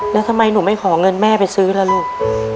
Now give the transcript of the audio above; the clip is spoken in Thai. แล้วทำไมหนูไม่ขอเงินแม่ไปซื้อล่ะลูก